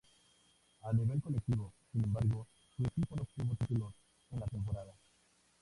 A nivel colectivo, sin embargo, su equipo no obtuvo títulos en la temporada.